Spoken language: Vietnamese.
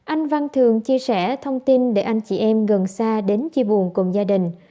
anh văn thường chia sẻ thông tin để anh chị em gần xa đến chia buồn cùng gia đình